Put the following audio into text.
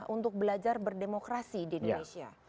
untuk belajar berdemokrasi di indonesia